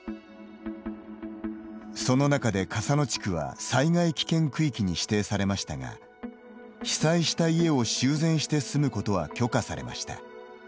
そのなかで、笠野地区は災害危険区域に指定されましたが被災した家を修繕して住むことは許可されました。